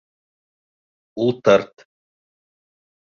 Ултырт!